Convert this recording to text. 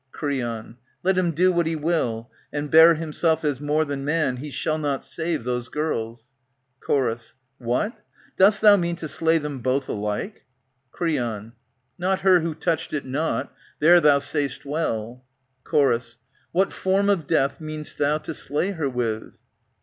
Creon, Let him do what he will, and bear himself As more than man, he shall not save those girls. Chor. What ! Dost thou mean to slay them both alike ? 77^ Creon. Not her who touched it not ; there thou say'st well. Chor. What form of death mean'st thou to slay her with